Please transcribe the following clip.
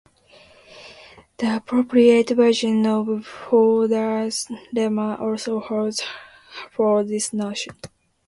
The appropriate version of Fodor's lemma also holds for this notion.